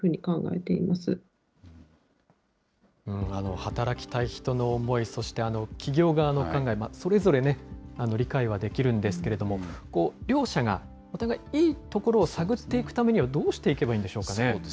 働きたい人の思い、そして企業側の考え、それぞれね、理解はできるんですけれども、両者がお互いいいところを探っていくためには、どうしていけばいいんでしょうかね。